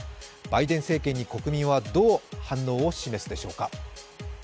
バイデン政権に国民はどう反応を示すでしょうか。